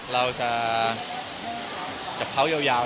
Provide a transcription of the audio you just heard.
เราจะเผาเยาแล้ว